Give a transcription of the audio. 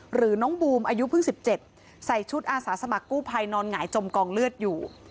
หรือน้องบูมอายุเพิ่ง๑๗ใส่ชุดอาสาสมัครกู้ภัยนอนหงายจมกองเลือดอยู่